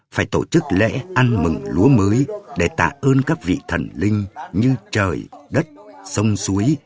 phải tổ chức lễ ăn mừng lúa mới để tạ ơn các vị thần linh như trời đất sông suối